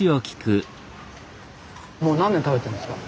もう何年食べてますか？